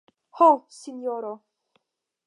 Ho, sinjoro!